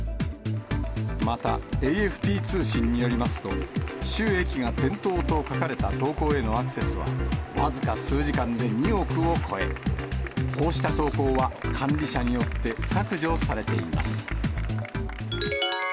また、ＡＦＰ通信によりますと、朱易が転倒と書かれた投稿へのアクセスは、僅か数時間で２億を超え、こうした投稿は管理者によって削除されています。